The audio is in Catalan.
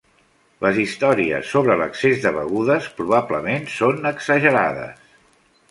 Les històries sobre l'excés de begudes probablement són exagerades.